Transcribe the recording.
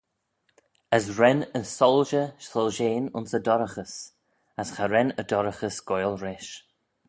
As ren y soilshey soilshean ayns y dorraghys, as cha ren y dorraghys goaill-rish.